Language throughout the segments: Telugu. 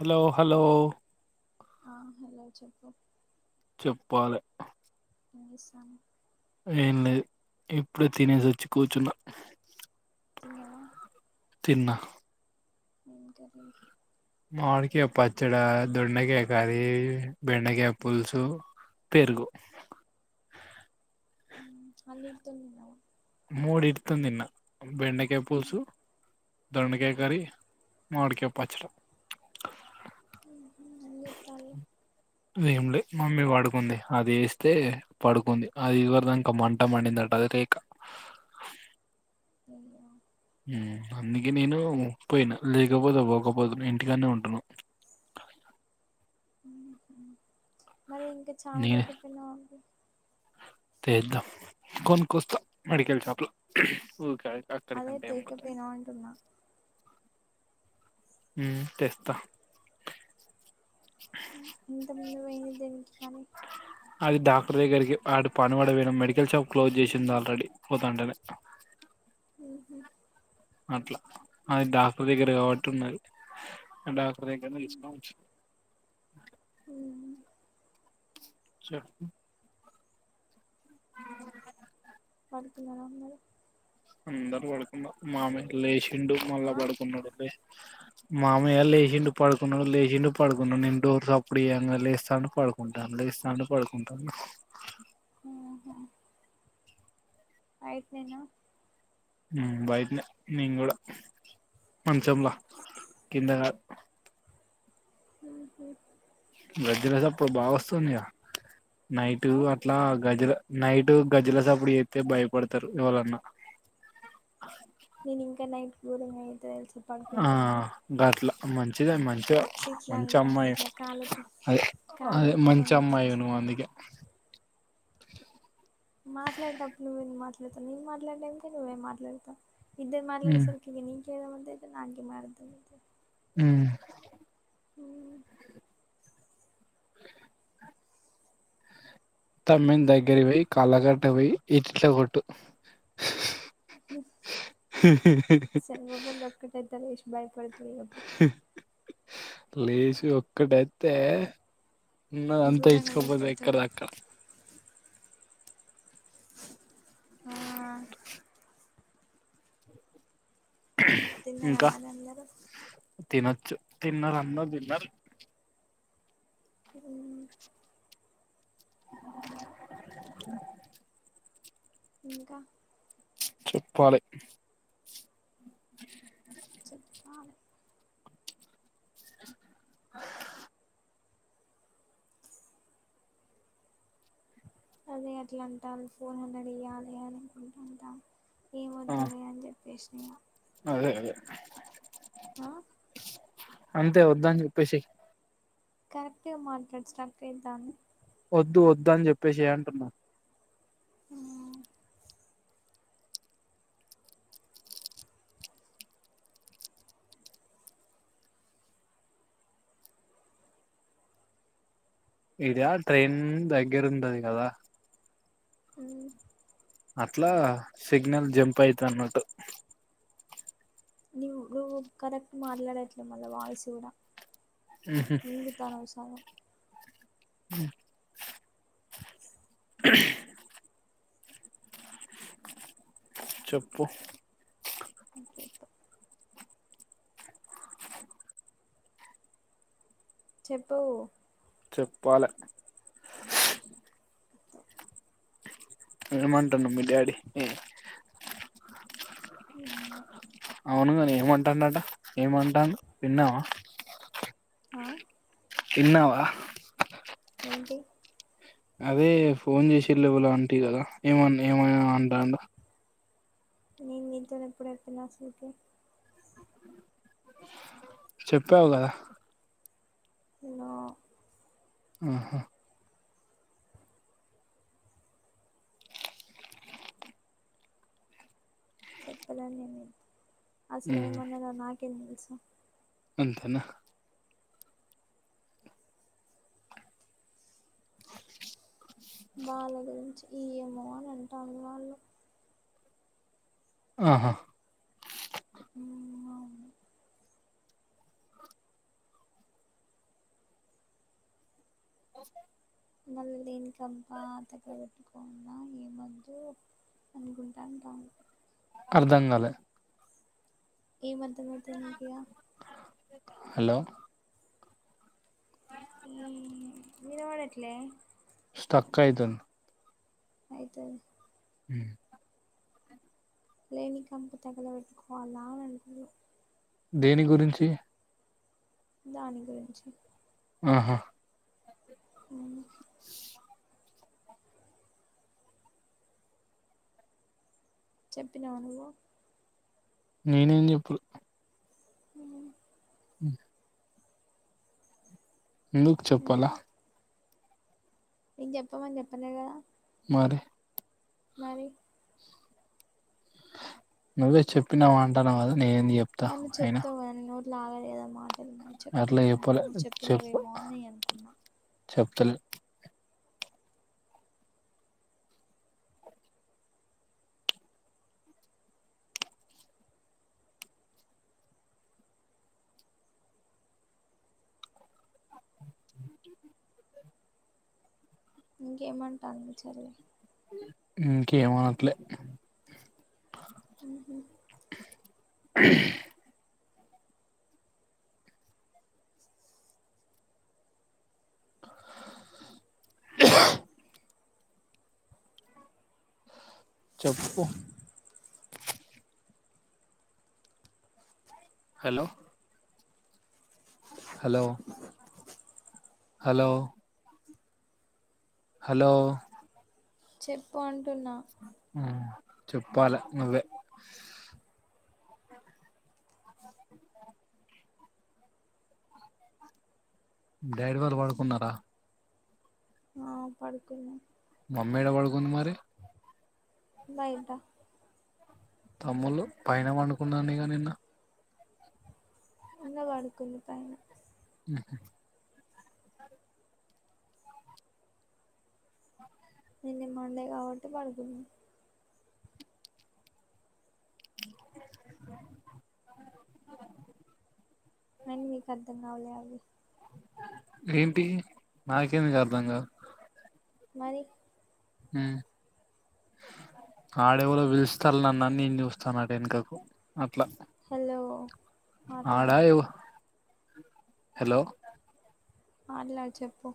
హలో హలో ఆ హలో చెప్పు చెప్పాలే ఎంచేస్తాన్నవ్ ఏం లేదు ఇప్పుడే తినేసి వచ్చి కూర్చున్నా తిన్నవా తిన్నా ఎం కర్రీ మాడికాయ పచ్చడా దొండకాయ కర్రీ బెండకాయ పులుసు పెరుగు హ్మ్ అన్నిటితోని తిన్నవా మూడిటితోని తిన్నా బెండకాయ పులుసు దోండకాయ కర్రీ మాడికాయ పచ్చడా ఎం చేత్తాల్లు ఏం లేదు మమ్మీ పడుకుంది అది యేస్తే పడుకుంది అది ఇదివరిదాంక మంట మండిందంట అది లేకా ఓహో హ్మ్ అందుకే నేను పోయినా లేకపోతే పోకపోదును ఇంటికానే ఉంటును [inaudible] మరి ఇంకా నేనే [unintelligible] తెద్దాం కొన్కోస్తా మెడిల్ షాప్లో ఊకా అక్కడి అదే అంటే ఏంపోతాం తెకపోయినావు అంటున్నా ఉ తెస్తా ఇంతకు ముందు వేయలేదేంటి మరి అది డాక్టర్ దగ్గరికి ఆటు పని పడ పోయినం మెడికల్ షాప్ క్లోజ్ చేసుంది ఆల్రెడీ పోతుంటానే [inaudible] ఉహు. అట్లా అది డాక్టర్ దగ్గర కాబట్టి ఉన్నది డాక్టర్ దగ్గరనే తీసుకోని వచ్చినం [inaudible] ఉ చేప్ ఎలా ఉన్నది అందరు పడుకున్నారు మామే ఇట్లా లేచిండు ఆ మళ్ళా పడుకున్నాడు మామయ్య లేచిండు పడుకున్నాడు లేచిండు పడుకున్నాడు నేను డోర్ సప్పుడు చేయ్యంగా లేస్తాండు పడుకుంటాండు లేస్తాండు పడుకుంటాండు ఉహ బైట్నేనా ఉ బైట్నే నేను గుడా మంచంలా కింద కాదు ఉహు నీద్ర అప్పుడు బాగా వస్తుందిగా నైటు ఆ అట్లా గజ్జల నైటు గజ్జల సప్పుడు చేత్తే భయపడతరు ఎవరన్నా [inaudible] నేను ఇంకా నైట్ గోరంగా ఐతా తెలుసా ఆ పడుకునేటప్పుడు గట్ల మంచి మచ్చిదే మంచి ఇట్ల ఇట్లా మంచి అంట అమ్మాయి ఇట్లా కాళ్ళతో వే అదే అదే మంచి కాళ్ళతోని ఇట్ల అమ్మాయి ఇట్లా నువ్వు అంట అందుకే [inaudible] మాట్లాడేటప్పుడు నువ్వే ఎందుకు మాట్లాడతావు నేను మాట్లాడేమింటే నువ్వేం మాట్లాడతావు ఇద్దరు మాట్లాడే ఉమ్ సరికి నీది నీకే వినపడుతది నాది నాకే ఉ ఉ తమ్మిని దగ్గరకి పోయి కళ్ళకట్ట పోయి ఇట్లిట్ల కొట్టు [inaudible] లేచి బయపడుతావ్ [unintelligible] లేచి ఒక్కటేత్తే ఉన్నదంతా ఘోరంగా ఇచ్చుకోపోతది ఎక్కడి భయపడతడు దక్కడ ఆ తిన్నారా ఇంకా మరి అందరూ తినొచ్చు తిన్నరు అన్దరు తిన్నారు అ నీటి శబ్ధం ఇంకా చెప్పాలే బైక్ శబ్దం చెప్పాలి ఏదో శబ్దం అదే అట్లా అంటారు ఫోర్ హండ్రెడ్ ఇయ్యాలే అని అనుకుంటుంటా ఏం ఆ వద్దులే అని చె వేసినిగా అదే అదే ఆ అంతే వద్దని చెప్పే సై కరెక్ట్ గా మాట్లాడు స్ట్రాక్ అయితాంది వద్దు వద్దు అని చెప్పేసై అంటున్నా [inaudible] ఇరా ట్రైన్ దగ్గర ఉంటాది కదా మ్మ్ అట్లా సిగ్నల్ జంప్ అయితన్నట్టు నువ్వు నువ్వు కరెక్ట్ మాట్లాడట్లే మళ్ళా వాయిస్ కూడా మింగుతావు అనవసరంగా ఆ శబ్దం చెప్పు ఓకే పా చెప్పు చెప్పాలే ఏ మంటాండు మీ డాడీ ఉన్నే అవునుగాని ఏమంటాన్నడంటా ఏమంటాండు తిన్నావా ఆ తిన్నావా ఏంటి అదే ఫోన్ చేసిళ్ళు ఎవలో అంటివి కదా ఏమన్నా ఏమన్నా అంటాన్నడ నిను నీతోన ఎప్పుడు చెప్పిన అసలకి చెప్పాల నా ఆహా చెప్పడాన్ని ఏం లేదు అసలే ఏమన్నారో నాకేం తెలుసు అంతేనా వాళ్ళ గురించి ఇయ్యాము అని అంటారు వాళ్ళు ఆహా [unintelligible] అవును [inaudible] మళ్ళీ దేనికంతా తగల పెట్టుకోవాళ్ళ ఏం వద్దు అనుకుంటా అంటారు అర్థం కాలే ఏం అర్థం అయితాది నీకి యా హలో వినపడట్లే స్టక్ అయితుంది అయితాది ఆ లేనికంతా తగల పెట్టుకోవలా అని అంటున్నా దేని గురించి దాని గురించి అహా ఉ చెప్పినావు నువ్వు నేనేం చెప్పుడు ఉ ఉమ్ ఎందుకు చెప్పాల నిక్ చెప్పమని చెప్పలే కదా మరి మరి నువ్వే చెప్పినావ అంటాన్నా కదా నేనేంది చెప్తా అయినా లాగాలేదా మాటలు మ చెప్తావు అట్లా కా చెప్పలే ఏమో చెప్పు చెప్పినవేమో అని నేను అనుకున్నా చెప్తలే ఇంకేమనటంది మీ చెల్లి ఇంకా ఏమానట్లే అ చెప్పు హలో హలో హలో హలో చెప్పు అంటున్నా చెప్పాలా నువ్వే అర్థమైందా డాడీ వాళ్ళు వాడుకున్నారా ఆ పడుకున్నా మమ్మీఏడ వాడుగున్నది మరి బయటా తమ్ముళ్లు పైన వండుకున్నానేగా నిన్న ఉన్న వాడుకులు పైన ఓకే నిన్న మండే కాబట్టి పడుతున్నా అ అని నీకు అర్ధం కవులే అన్ని ఏంటి నాకేందుకు అర్థంగాదు మరి హు ఆళ్లేవలో పలుస్తారు నన్న నేను చూస్తానట వెనకకు హలో మాట్లాడు ఆడా ఎవ హలో అట్లా చెప్పు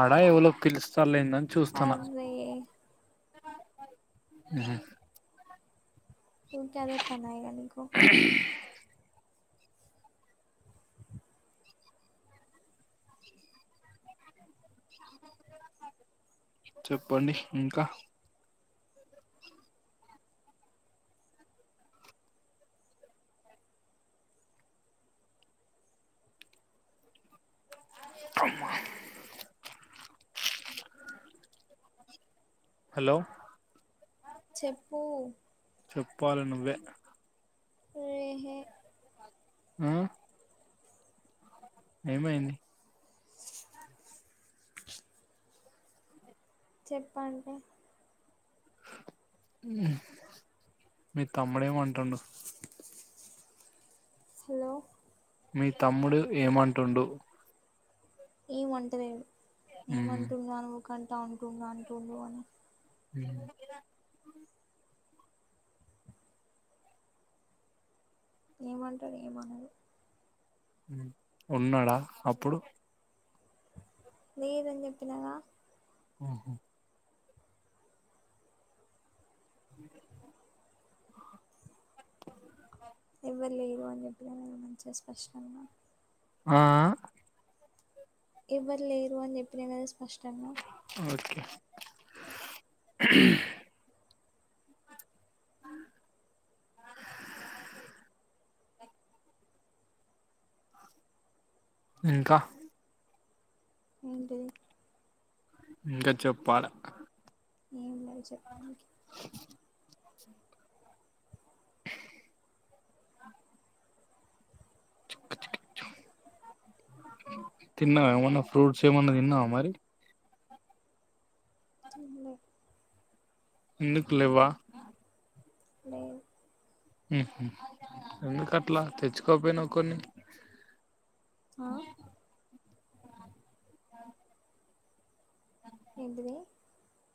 ఆడా ఎవలో పిలుస్త లేఇంక అర్రె [inaudible] ఇంక అదే పనాయె నాకు చెప్పండి ఇంకా అమ్మ హలో చెప్పు చెప్పాలి నువ్వే ఎహె ఉమ్ ఏమైంది చెప్పండి మీ తమ్ముడేమంటుండు హలో మీ తమ్ముడు ఏమంటుండు ఏం ఆంటలేడు ఉమ్ ఏమంటుండు అనుకంటా అంటుడు అంటుడు అని ఉమ్ ఏమంటారు ఏమనరు ఉన్నాడా అప్పుడు లేదని చెప్పినాగా ఆహా [inaudible] ఎవ్వరు లేరు అని చెప్పిన మంచిగా స్పష్టంగా ఆ ఎవ్వరు లేరు అని చెప్పిన కద స్పష్టంగా ఓకే ఇంకా అంటె ఇంకా చెప్పాలా ఏ ఉన్నాయి చెప్పడానికి [unintelligible] తిన్నావా ఏమన్నా ఫ్రూట్స్ ఏమన్న తిన్నావ మరి చి ఎందుకులేవా మ ఎందుకు అట్లా తెచ్చుకోపోయినావ కొన్ని [inaudible] ఆ ఏందవి